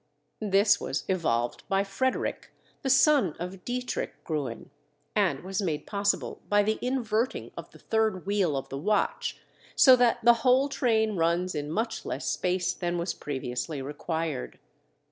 This was evolved by Frederick, the son of Dietrich Gruen, and was made possible by the inverting of the third wheel of the watch, so that the whole train runs in much less space than was previously required.